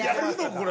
これ。